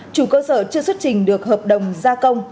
chủ cơ sở chưa xuất trình được hợp đồng gia công